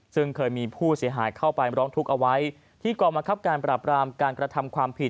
ซึ่งเคยมีผู้เสียหายเข้าไปร้องทุกข์เอาไว้ที่กองบังคับการปราบรามการกระทำความผิด